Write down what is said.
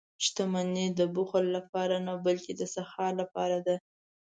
• شتمني د بخل لپاره نه، بلکې د سخا لپاره ده.